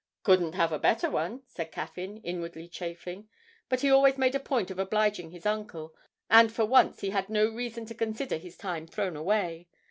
'Couldn't have a better one,' said Caffyn, inwardly chafing; but he always made a point of obliging his uncle, and for once he had no reason to consider his time thrown away.